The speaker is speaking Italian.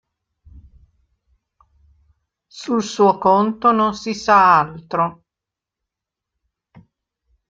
Sul suo conto non si sa altro.